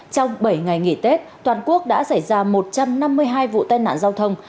trong bảy ngày nghỉ tết toàn quốc đã xảy ra một trăm năm mươi hai vụ tai nạn giao thông